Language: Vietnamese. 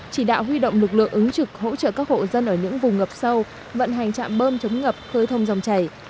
chỉ đạo huy động lực lượng ứng trực hỗ trợ các hộ dân ở những vùng ngập sâu vận hành trạm bơm chống ngập khơi thông dòng chảy